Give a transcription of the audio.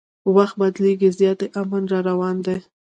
وخت بدلیږي زیاتي امن راروان دي